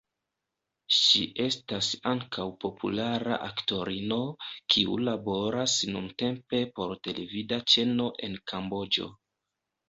Ŝi estas ankaŭ populara aktorino, kiu laboras nuntempe por televida ĉeno en Kamboĝo.